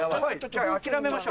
諦めましょう。